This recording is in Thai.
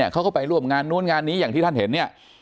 เขาก็ไปร่วมงานนู้นงานนี้อย่างที่ท่านเห็นเนี่ย